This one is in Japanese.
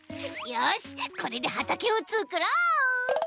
よしこれではたけをつくろう！